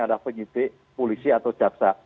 adalah penyidik polisi atau jaksa